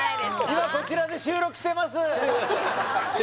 今こちらで収録してます